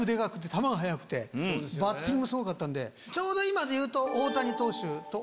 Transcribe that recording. バッティングすごかったんでちょうど今で言うと。